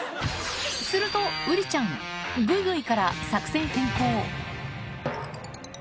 するとウリちゃん、ぐいぐいから作戦変更。